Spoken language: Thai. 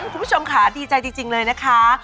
คุณผู้ชมค่ะดีใจจริงเลยนะคะ